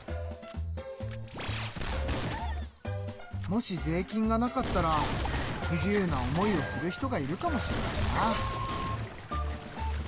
もし税金がなかったら不自由な思いをする人がいるかもしれないなあ。